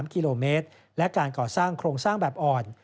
๓กิโลเมตรและการก่อสร้างโครงสร้างแบบอ่อน